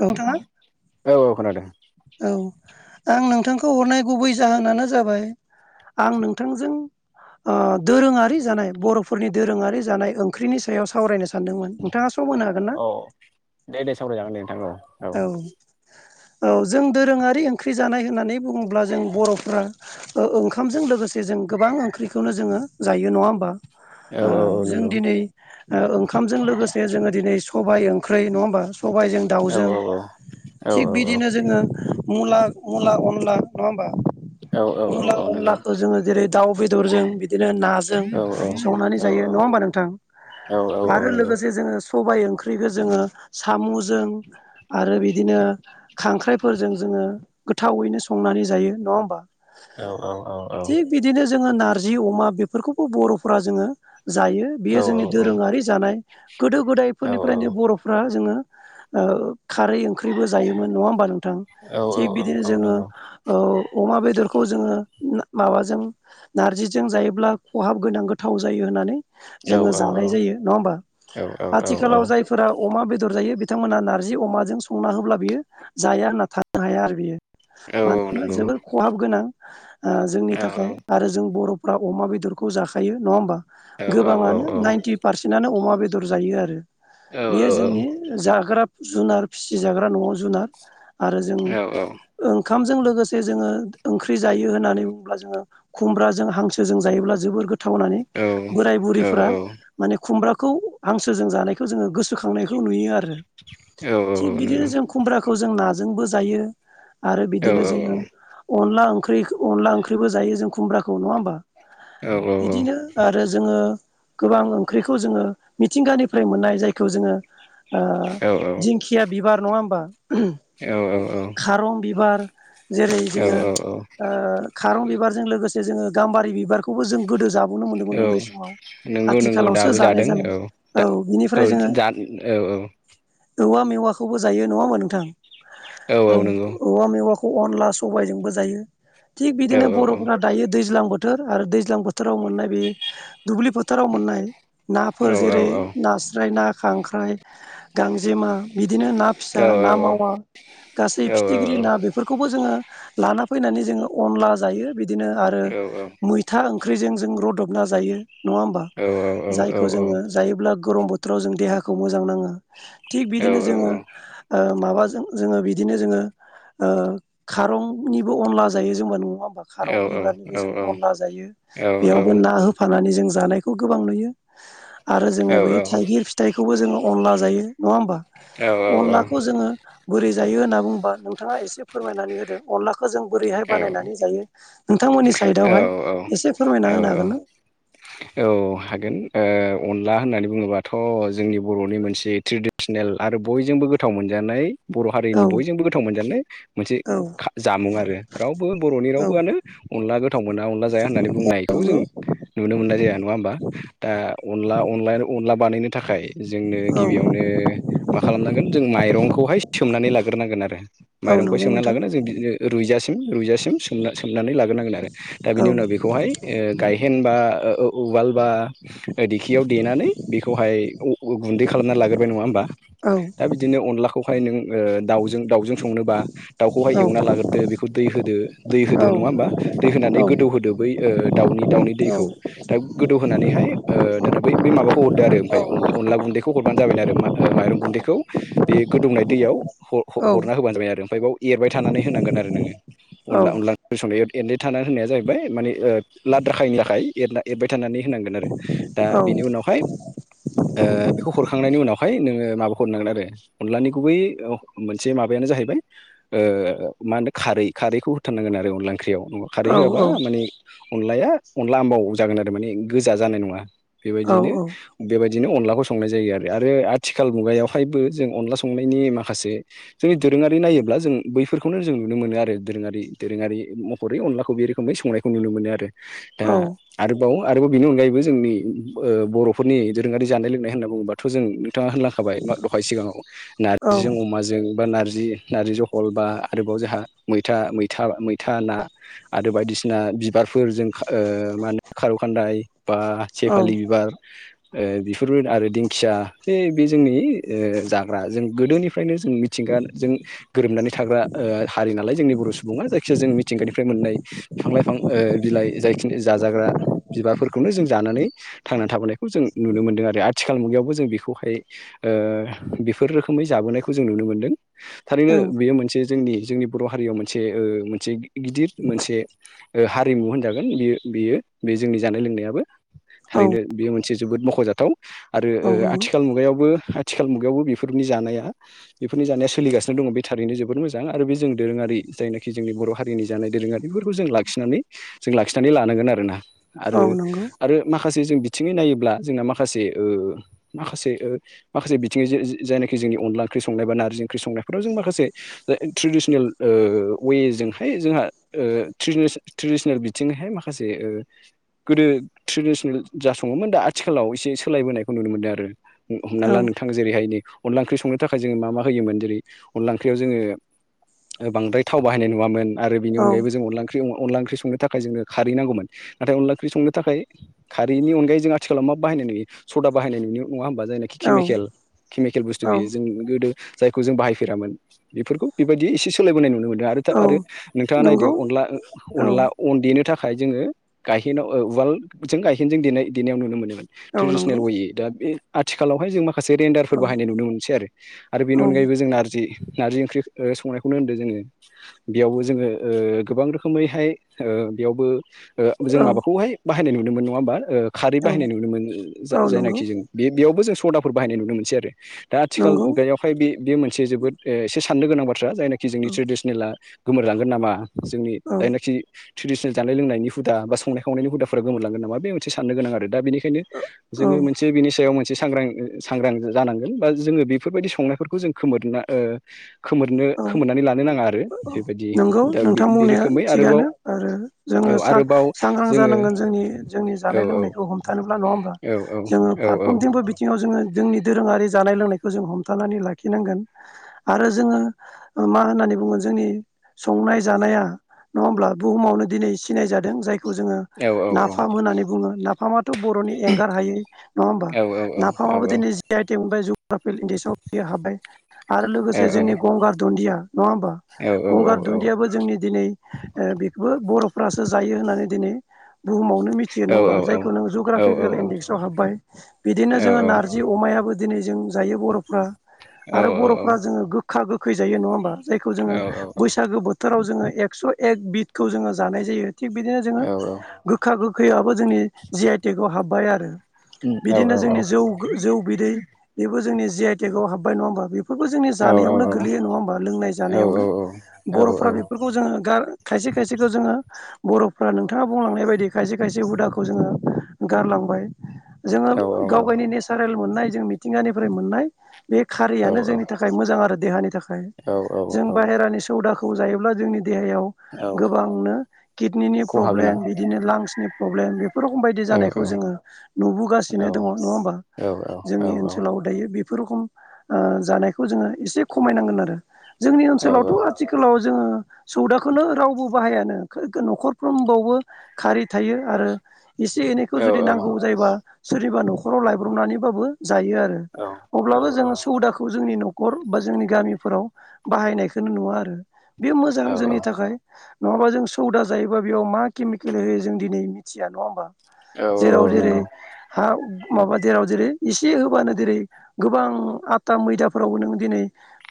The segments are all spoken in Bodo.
औ नोंथाङा औ औ खोनादों औ आं नोंथांखौ हरनाय गुबै जाहोनानो जाबाय आं नोंथांजों ओ दोरोङारि जानाय बर'फोरनि दोरोङारि जानाय ओंख्रिनि सायाव सावरायनो सानदोंमोन नोंथाङा सम होनो हागोन ना? अ दे दे सावरायजागोन दे नोंथां औ औ औ जों दोरोङारि ओंख्रि जानाय होननानै बुङोब्ला जों बर'फ्रा ओंखामजों लोगोसे जों गोबां ओंख्रिखौनो जोङो जायो नङा होमबा औ ओ औ औ जों नंगौ दिनै ओंखामजों लोगोसे जोङो दिनै सबायाइ ओंख्रै नङा हो बा सबायजों औ दाउजों औ औ थिग बिदिनो जोङो मुला मुला अनला नङा होमबा औ औ मुला औ नंगौ अनलाखौ जोङो जेरै दाउ बेदरजों बिदिनो नाजों औ संनानै औ जायो नङा होमबा नोंथां औ औ आरो नंगौ लोगोसे जोङो सबाय ओंख्रिखो जोङो सामुजों। आरो बिदिनो खांख्राइफोरजों जोङो गोथावैनो संनानै जायो नङा होमबा। औ औ औ औ। थिग बिदिनो जोङो नारजि अमा बेफोरखौबो बर'फोरा जोङो जायो बेयो जोंनि दोरोङारि जानाय। गोदो गोदायफोरनिफ्रायनो जों बर'फ्रा जोङो ओ खारै ओंख ओंख्रिबो जायोमोन नङा होमबा नोंथां थिग बिदिनो जोङो औ अमा ओ बेदरखौ जोङो। ना माबाजों नारजिजों जायोब्ला खहाब गोनां गोथाव जायो होननानै। औ जोङो जानाय जायो नङा होमबा आथिखालाव जायफोरा अमा बेदर जायो बिथांमोना नारज जि अमाजों संना होब्ला बियो जाया होनना थानो हाया आरो बियो। मानोना जोबोर खहाब गोनां। ओ जोंनि थाखाय आरो जों बर'फ्रा अमा बेदरखौ जाखायो नङा होमबा। गोबाङानो नाइन्टि पारसेन्टनो अमा बेदर जायो आरो। बेयो जोंनि जाग्रा जुनार फिसि जाग्रा न'आव जुनार। आरो जों ओंख ओंखामजों लोगोसे जोङो ओंख्रि जायो होननानै बुंब्ला जोङो खुमब्राजों हांसोजों जायोब्ला जोबोर गोथ थावनानै बोराय बुरिफोरा माने खुमब्रा। खौ हांसोजों जानायखौ जोङो गोसोखांनायखौ नुयो आरो। थिग बिदिनो जों खुमब्राखौ जों नाजोंबो जायो। आरो बिदिनो जोङो अनला ओंख्रिखो अनला ओंख्रिबो जायो जों खुमब्राखौ नङा होमबा। बिदिनो आरो जोङो। गोबां ओंख्रिखौ जोङो मिथिंगानिफ्राय मोननाय जायखौ जोङो ओ। दिंखिया बिबार नङा होमबा खारं बिबार। जेरै जोङो औ ओ खारं बिबारजों लोगोसे जोङो गाम्बारि बिबारखौबो जों गोदो जाब नुनो मोन्दोंमोन औ औ उन्दै समाव। नंगौ नंगौ आथिखालावसो दाबो जानाय जादों औ जानाय औ दा औ बिनिफ्राय जोङो। जा औ औवा मेवाखौबो जायो नङा होमबा नोंथां औ औ ओ नंगौ औवा मेवाखौ। अनला सबायजोंबो जायो थिग औ बिदिनो बर'फोरा दायो दैज्लां बोथ थोर आरो दैज्लां बोथोराव मोननाय बे दुब्लि फोथाराव मोननाय। औ नाफोर औ जेरै औ नास्राय ना खांख्राइ। गांजेमा बिदिनो ना फिसा, ना मावा गासै फिथिख्रि ना बेफोरखौबो जोङो लाना फैनानै जोङो अनला जायो बिदिनो आरो मैथा ओं। ख्रिजों जों रदबना जायो नङा होमबा जायखौ जोङो जायोब्ला। गरम बोथोराव जों देहाखौ मोजां नाङो। थिग बिदिनो जोङो ओ। माबाजों जोङो बिदिनो जोङो ओ खारंनिबो अनला जायो जोंबा न'आव। खारं बिबारनिबो जों अनला जायो बेयावबो ना होफानानै जों जानाय। खौ गोबां नुयो आरो जोङो बै थाइगिर फिथाइखौबो जोङो अनला जायो। नङा होमबा अनलाखौ जोङो बोरै जायो होनना बुंबा। थाङा एसे फोरमायनानै होदो अनलाखौ जों बोरैहाय बानायनानै जायो। थांमोननि साइडआवहाय एसे फोरमायना औ होनो औ हागोन ना। ला होननानै बुङोबाथ' जोंनि बर'नि मोनसे ट्रेडिसनेल आरो बयजोंबो गोथाव मोनजानाय। बर' औ हारिनि बयजोंबो गोथाव मोनजानाय मोनसे औ खा जामुं आरो रावबो बर'नि औ रावबोआनो अनला गोथाव। थाव मोना अनला जाया होननानै बुंनायखौ नंगौ जों। नुनो मोननाय जाया नङा होमबा दा अनला अनला अनला बानायनो थाखाय। जोंनो औ गिबियावनो मा खालामनांगोन जों माइरंखौहाय सोमनानै लाग्रोनांगोन आरो माय। रंखौ नंगौ सोमना नोंथां लागोना जों बिदिनो रुइजासिम रुजासिम सोमना सोमनानै लाग्रोनांगोन आरो। दा औ बिनि उनाव बेखौहाय ओ गायहेनबा ओ उ उवाल बा। ओ दिखियाव देनानै बेखौहाय उ उ गुन्दै खालामनानै लाग्रोबाय नङा होमबा औ दा बिदिनो। अनलाखौ। ओ दाउजों दाउजों संनोबा औ दाउखौहाय एवना लाग्रदो बेखौ दै होदो दै औ होदो नङा होमबा। नानै गोदौ औ होदो बै ओ दावनि दावनि औ दैखौ औ दा‌ गोदौ होनानैहाय ओ दाना बै बै माबाखौ खौ हरदो आरो ओमफ्राय अनला गुन्दैखौ हरबानो जाबाय आरो माइरं गुन्दैखौ बे गोदौनाय दैयाव ह-ह-हरना होबानो जाबाय आरो ओमफ्राय बेयाव एरबाय थानानै होनांगोन आरो नोङो अनला अनला ओंख्रि सनाय [unintelligible] थाना होनाया जाहैबाय माने ओ लाद्राखायैनि आखाय एरना एरबाय थानानै होनां गोन आरो दा बिनि उनावहाय ओ बेखौ हखांनायनि उनावहाय नोङो माबाखौ हरनांगोन आरो अनलानि गुबै मोनसे माबायानो जाहैबाय ओ मा होनदों खार रै खारैखौ होथारनोन आरो अनला ओंख्रियाव खारै होआबा माने अनलाया अनला आबाव जागोन आरो माने गोजा जानाय नङा बेबायदिनो बेबायद बिदिनो अनलाखौ संनाय जायो आरो आरो आथिखाल मुगायावहायबो जों अनला संनायनि माखासे जोंनि दु दोरोङारि नायोब्ला जों बैफोरखौनो जों नुनो मोनो आरो दोरोङारि दोरोङारि महरै अनला खौ बे रोखोमै संनायखौ नुनो मोनो आरो दा आरो बाव आरोबाव बिनि अनगायैबो जोंनि ओ बर'फोरनि दोरोङारि जानाय लोंनाय होनना बुङोबाथ' जों बिथाङा होनलाखाबाय म दहाय सिगाङाव नारजिजों अमाजों बा नारजि नारजि जहल बा आरोबाव जोंहा मैथा मैथा मैथा ना आरो बायदिसिना बिबारफोर जों मा होनो खार' खान्दाय बा औ से फालि बिबार ओ बेफोरबो आरो दिंखिया बे बे जोंनि जाग्रा जों गोदोनिफ्रायनो जों मिथिंगाजों गोरोबनानै थाग्रा ओ हारि नालाय जोंनि बर' सुबुङा जायखिया जों मिथिंगानिफ्राय मोननाय बिफां लाइफां ओ बिलाइ जायखि जाजाग्रा बिबारफोरखौनो जों जानानै थांनानै थाबोनायखौ खौ जों नुनो मोनदों आरो आथिखाल मुगायावबो जों बेखौहाय ओ बेफोर रोखोमै जाबोनायखौ जों नुनो मोन्दोंव थारैनो बेयो मोनसे जोंनि जोंनि बर' हारियाव मोनसे ओ मोनसे गिदिर मोनसे ओ हारिमु होनजागोन बियो बियो बे जोंनि जानाय लोंनायाबो। थारैनो बेयो मोनसे जोबोद मख'जाथाव आरो ओ ओ आथिखाल मुगायावबो आथिखाल मुगायावबो बेफोरनि जानाया बेफोरनि जानाया सोलिगासिनो दङ बे थारैनो जोबोद मोजां आरो बे जों दोरोङारि जायनाखि जोंनि बर' हारिनि जानाय दोरोङारिफोरखौ जों लाखिनानै जों लाखिनानै लानांगोन आरोना आरो औ नंगौ आरो माखा माखासे जों बिथिङै नायोब्ला जोंना माखासे ओ माखासे ओ माखासे बिथिङै जो जो जायनाखि जो जोंनि अनला ओंख्रि संनाय बा नारजि ओंख्रि संनायफोराव जों माखासे ट्रिडिस्नेल ओ ववे जोंहाय जोंहा ओ [unintelligible] ट्रिडिसनेल बिथिंहाय माखासे ओ गोदो ट्रिडिसनेल जाासङोमोन दा आथिखालाव इसे सोलायबोनायखौ नुनो मोनदों आरो हमना ला औ नोंथां जेरैहाय नै अनला ओंख्रि संनो थाखाय जोङो मा मा होयोमोन जेरै अनला ओंख्रियाव जोङो बांद्राय थाव बाहायनाय नुयामोन आरो बिनि नंगौ अनगायैबो जों अनला ओंख्रि आव अनला ओंख्रि सं थाखाय जोङो खारै नांगौमोन नाथाय अनला ओंख्रि संनो थाखाय खारैनि अनायै जों आथिलाव मा बाहाय नुयो सदा बाहायनाय नुयो नङा होमबा जायनाखि औ केमिकेल केमिकेल बुस्थु बियो औ जों गोदो जायखौ जों बाहायफेरामोन बेफोरखौ बेबायदि इसे सोलायबोनाय नुनो मोनो आरो औ आरो नंगौ नोंथाङा नायदो अनला ओ औ अनला अन दे नो थाखाय जोङो गायहेन व ओ उआल जों गायहेनजों दानाय देनायाव नुनो मोनो औ नंगौ ट्रेडिसनेल वे दा बे आथिालावहाय जों मा माखासे रेन्डारफोर औ बाहायनाय नुनो मोनसै आरो बेनि औ अनगायैबो जों नारजि नारजि ओंख्रि संनायखौनो होनदों जोङो बेयावबो जोङो ओ गोबां रखोमैहाय ओ बेयावबो ओ जों औ माबाखौ बा हायनाय होदोंमोन नङा होनबा ओ खारै औ बाहायनाय नुनो मोनो औ नंगौ जायनाखि बे बेयावबो जों स सदाफोर बाहायनाय नुनो मोनसै आरो दा आथिखाल नंगौ खुगायावहाय बे बे मोनसे जोबोद एसे साननो गोनां बाथ थ्रा जायनाखि जोंनि ट्रेडिसनेनाला गोमोरलांगोन नामा जोंनि औ जायनाखि ट्रेडिनेल जानाय लोंनायनि हुदां बा संनाय खावनायनि हुदाफोरा गोमोरलांगोन नामा बे [unintelligible] साननो गोनां आरो दा बिनि बेखायनो औ जोङो मोनसे बिनि सायाव मोन मोनसे सांग्रां सांग्रां जानांगोन बा जोङो बेफोरबायदि संनायफोरखौ जों खोमोरना ओ खोमोरनो औ खोमोरनानै लानो नाङा आरो नंगौ नोंथां बुंनाया थिगानो आरो जोङो सां-सांग्रां जानांगोन जोंनि जोंनि जानाय लोंनायखौ हमथानोब्ला नङा हा जोङो फारफ्रोमथिबो बिथिङाव जोङो जोंनि दोरोङारि जानाय लोंनायखौ जों हमथानानै लाखिनांगोन आरो जोङो मा होननानै बुङो जोंनि संनाय जानाया नङा होमब्ला बुहुमावनो दिनै सिनाय जादों जायखौ जोङो नाफाम होननानै बुङो नाफामा बर'नि एंगार हायो नङा होमबा नाफामाबो दिनै जि आइ टि मोनबाय जग्राफिल इन्डियासाव बियो हाबबाय आरो लोगोसे जोंनि गंगार दुन्दिया नङा होमबा गंगार दुन्दियाबो जोंनि दिनै बेखौबो बर' फ्रासो जायो होननानै दिनै बुहुमावनो मिथियो नङा होमबा जायखौ नों जग्राफिकेल इन्डेक्सआव हाब्बाय बिदिनो जोङो नारजि अमायाबो दिनै जों जायो बर'फ्रा आरो बर'फ्रा जोङो गोखा गोखै जायो नङा होमबा जायखौ जोङो बैसागो बोथोराव जोङो एकस' एक बिदखौ जोङो जानाय जायो थिग बिदिनो जोङो गोखा गोखैयाबबो जोंनि जि आइ टि खौ हाबबाय आरो बिदिनो जोंनि जौ जौ बिदै बेबो जोंनि जि आइटेक आव हाबबाय नङा होमा बेफोरबो जोंनि जानायावनो गोलैयो नङा होमबा लोंनाय जानायावनो बर'फ्रा बेफोरखौ जोङो खायसे खायसेखौ जोङो बर'फ्रा नोंथाङा बुंलांनाय बायदि खायसे खायसे हुदाखौ जोङो गारलांबाय जोङो गाव गावनि नेसारेल मोननाय जों मिथिंगानिफ्राय मोननाय बे खारियानो जोंनि थाखाय मोजां आरो देहानि थाखाय जों बाहेरानि सौदाखौ जायोब्ला जोंनि देहायाव गोबांनो किडनिनि प्रब्लेम बिदिनो लांसनि प्रब्लेम बे बेफोर रोखम बायदि जानायखौ जोङो नुबोगासिनो दङ नङा होमबा जोंनि ओनसोलाव दायो बे बे रखम जानायखौ जोङो एसे खमायनांगोन आरो जोंनि ओनसोलावथ' आथिालाव जोङो सौदाखौनो रावबो बाहायानो न'खरफ्रोमबावबो खारि थायो आरो एसे एनैखौ जुदि नांगौ जायोबा सोरनिबा न'खराव लायब्रबनानैबाबो जायो आरो अब्लाबो जोङो सुबौदाखौ जोंनि न'खर बा जोंनि गामिफोराव बाहायनायखौनो नुवा आरो बे मोजां जोंनि थाखाय नङाबा जों सौदा जायोबा बेयाव मा केमिकेल होयो जों दिनै मिथिया नङा होमबा औ जे राव औ दिनै नंगौ हा माबा जेराव जेरै एसे होबानो जेरै गोबां आथा मैदाफोरावबो नों दिनै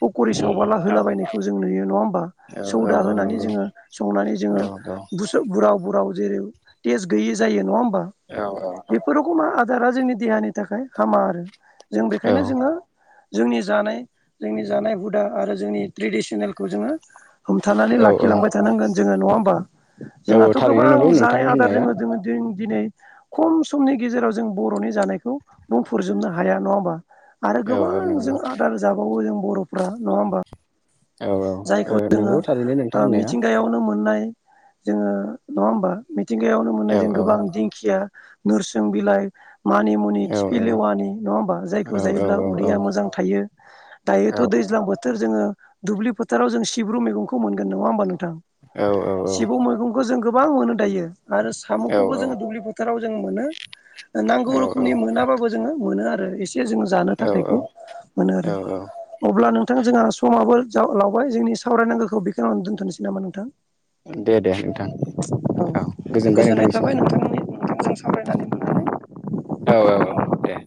पक'रि सावबाला औ होलाबायनायखौ जों नुयो नङा होमबा औ औ सौदा औ होनानै नंगौ जोङो संनानै औ जोङो औ बु बुराव बुराव जेरै तटेज गैयि जायो नङा होमबा औ बेफोरखौ मा दारा जोंनि देहानि थाखाय हामा आरो जों बेखायनो जोङो जोंनि जानाय जोंनि जानाय हुदा आरो जोंनि ट्रेडिसनेलखौ जोङो हमथानानै औ लाखिलांबाय थानांगोन जोङो नङा होमबा औ जोंहाथ' थारैनो गोबां नंगौ नोंथां जानाय आदार होननाया दोङो जों दिनै खम समनि गेजेराव जों बर'नि जानायखौ बुंफुरजोबनो हाया नङा होमबा आरो औ गोबां औ नंगौ जों आदार जाबावो जों बर'फ्रा नङा होमबा औ औ जायखौ जोङो नंगौ थारैनो नोंथां होननाया मिथिंगायावनो मोननाय जोङो नङा होमबा मिथिंगायावनो औ मोननाय जों औ गोबां दिंखिया नोरसिं बिलाइ मानि मुनि औ खिफि लेवानि नङा होमबा औ जायखौ औ जायोब्ला उदैया मोजां थायो औ दायोथ' दै दैज्लां बोथोर जोङो दुब्लि फोथाराव जों सिब्रु मैगंखौ मोनगोन नङा होमबा नोंथां औ सिब्रु मैगंखौ जों गोबां मोनो दायो आरो साम'खौबो औ औ जोङो दुब्लि फोथाराव जोङो मोनो नांगौ रोखोमनि मोनाबाबो जोङो मोनो आरो एसे जों जानो थाखायखौ मोनो आरो अब्ला नोंथां जोंहा समाबो जोंनि सावरायनांगखौ बेखौनो दोनथ'सै नामा नोंथां दे दे नोंथां औ गोजोनबाय नोंथांनिसिम मोजों सावरायनानै मोननानै औ - औ - औ दे